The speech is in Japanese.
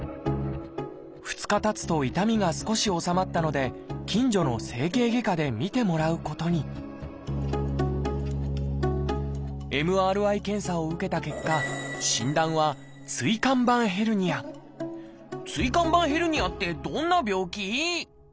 ２日たつと痛みが少し治まったので近所の整形外科で診てもらうことにＭＲＩ検査を受けた結果診断は椎間板ヘルニアってどんな病気？